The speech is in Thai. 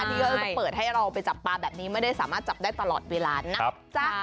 นี่ก็จะเปิดให้เราไปจับปลาแบบนี้ไม่ได้สามารถจับได้ตลอดเวลานะจ๊ะ